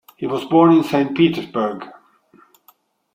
He was born in Saint Petersburg.